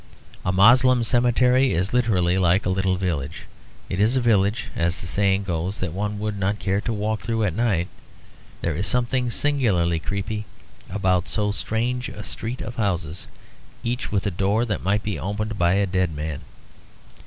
A Moslem cemetery is literally like a little village. It is a village, as the saying goes, that one would not care to walk through at night. There is something singularly creepy about so strange a street of houses, each with a door that might be opened by a dead man.